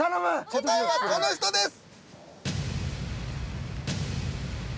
答えはこの人です。